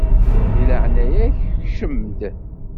Di leɛnaya-k kcem-d!